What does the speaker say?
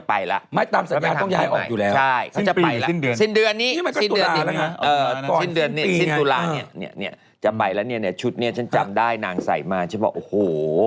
ไปแล้วเนี่ยจะไปแล้วเนี่ยชุดนี้ฉันจำได้นางใส่มาฉันบอกโอ้โห